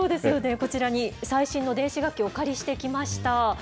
こちらに最新の電子楽器をお借りしてきました。